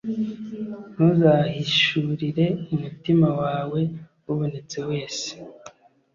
Ntuzahishurire umutima wawe ubonetse wese,